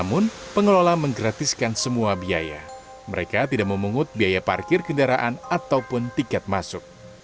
namun pengelola menggratiskan semua biaya mereka tidak memungut biaya parkir kendaraan ataupun tiket masuk